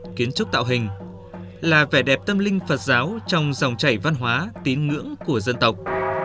kiến trúc tạo hình là vẻ đẹp tâm linh phật giáo trong dòng chảy văn hóa tín ngưỡng của dân tộc